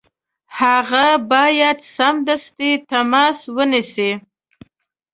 هغه باید سمدستي تماس ونیسي.